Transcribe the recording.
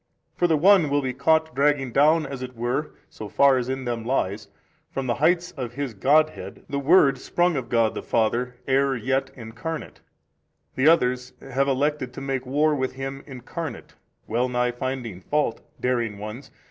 For the one will be caught dragging down as it were (so far as in them lies) from the heights of His |239 Godhead the Word sprung of God the Father ere yet Incarnate; the others have elected to make war with Him Incarnate, well nigh finding fault (daring ones!)